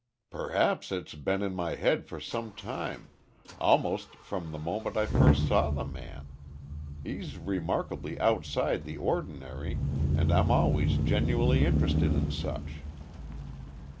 "Perhaps it's been in my head for some time almost from the moment I first saw the man. He's remarkably outside the ordinary, and I'm always genuinely interested in such."